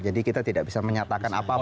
jadi kita tidak bisa menyatakan apa apa